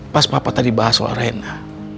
pas papa tadi bahas sama reina